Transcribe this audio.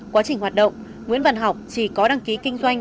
quá trình hoạt động nguyễn văn học chỉ có đăng ký kinh doanh